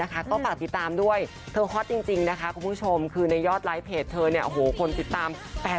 หมอลำตกงานรายได้บ่มี